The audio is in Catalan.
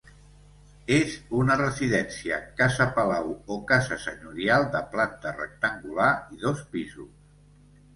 És una residència, casa-palau, o casa senyorial, de planta rectangular i dos pisos.